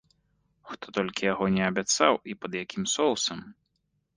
Хто толькі яго не абяцаў і пад якім соусам!